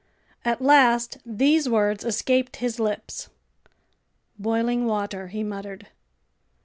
At last these words escaped his lips: "Boiling water!" he muttered.